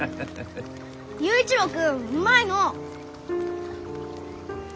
佑一郎君うまいのう。